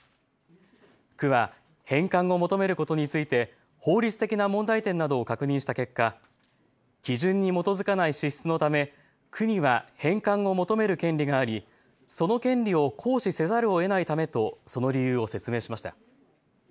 区は返還を求めることについて法律的な問題点などを確認した結果、基準に基づかない支出のため区には返還を求める権利がありその権利を行使せざるをえないためとその理由を説明しました。